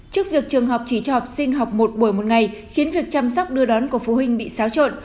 trước việc trường học chỉ cho học sinh học một buổi một ngày khiến việc chăm sóc đưa đón của phụ huynh bị xáo trộn